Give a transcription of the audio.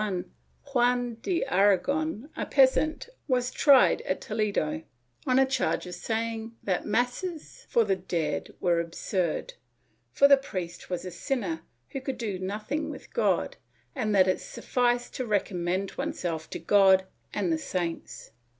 * So, in 1581, Juan de Aragon, a peasant, was tried at Toledo, on a charge of saying that masses for the dead were absurd, for the priest was a sinner who could do nothing with God, and that it sufficed to recommend oneself to God and the saints.